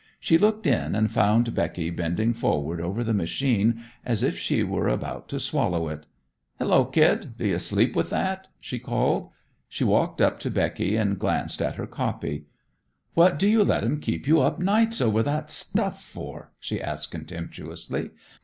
She looked in, and found Becky bending forward over the machine as if she were about to swallow it. "Hello, kid. Do you sleep with that?" she called. She walked up to Becky and glanced at her copy. "What do you let 'em keep you up nights over that stuff for?" she asked contemptuously.